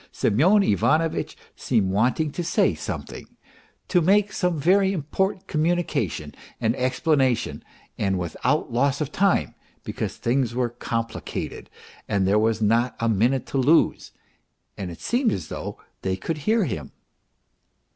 Semyon Ivanovitch seemed wanting to say something, to make some very important communication and explanation and without loss of time, because things were complicated and there was not a minute to lose. ... And it seemed as though they could hear him.